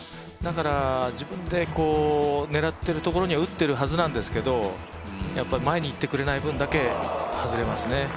だから自分で狙っているところに打ってるはずなんですけど前に行ってくれない分だけ外れますね。